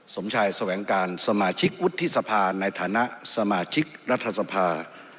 สมชายแสวงการสมาชิกวุฒิสภาในฐานะสมาชิกรัฐสภา